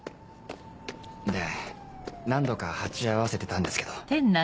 で何度か鉢合わせてたんですけど。